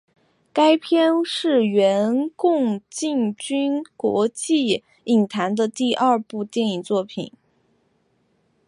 该片是元奎进军国际影坛的第二部电影作品。